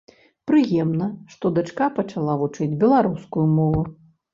Прыемна, што дачка пачала вучыць беларускую мову.